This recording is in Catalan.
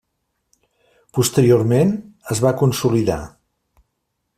Posteriorment es va consolidar.